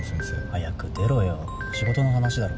早く出ろよ仕事の話だろ。